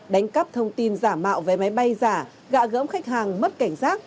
đánh cắp thông tin giả mạo vé máy bay giả gạ gẫm khách hàng mất cảnh giác